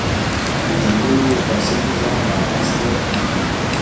فوجیموري یو فاسد نظام رامنځته کړ.